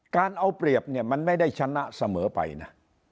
การเอาเปรียบเนี่ยมันไม่ได้ชนะเสมอไปนะ